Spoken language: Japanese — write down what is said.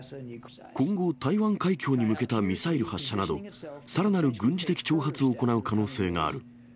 今後、台湾海峡に向けたミサイル発射など、さらなる軍事的挑発を行う可能性がある。